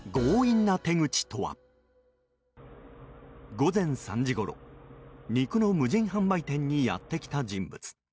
午前３時ごろ、肉の無人販売店にやってきた人物。